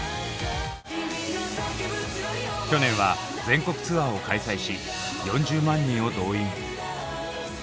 去年は全国ツアーを開催し４０万人を動員。